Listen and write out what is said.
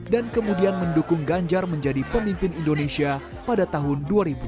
dan kemudian mendukung ganjar menjadi pemimpin indonesia pada tahun dua ribu dua puluh empat